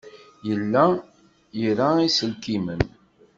Yella ira iselkimen.